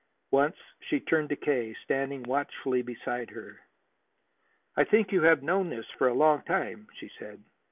Once she turned to K., standing watchfully beside her. "I think you have known this for a long time," she said.